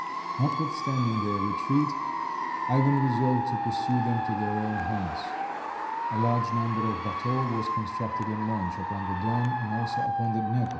Notwithstanding their retreat, Ivan resolved to pursue them to their own haunts. A large number of bateaux was constructed and launched upon the Don and also upon the Dnieper.